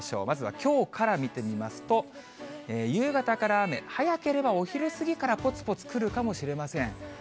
まずはきょうから見てみますと、夕方から雨、早ければお昼過ぎからぽつぽつくるかもしれません。